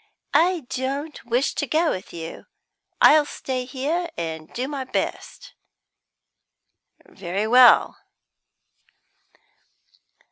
"I don't wish to go with you, I'll stay here and do my best." "Very well."